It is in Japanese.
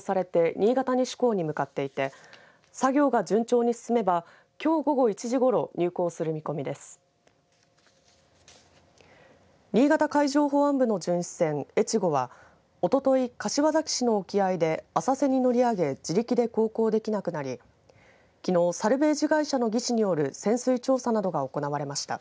新潟海上保安部の巡視船えちごはおととい、柏崎市の沖合で浅瀬に乗り上げ自力で航行できなくなりきのうサルベージ会社の技師による潜水調査などが行われました。